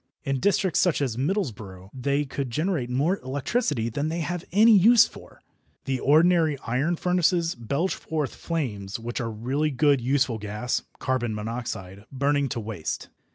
In districts such as Middlesbrough they could generate more electricity than they have any use for. The ordinary iron furnaces belch forth flames which are really good useful gas (carbon monoxide) burning to waste.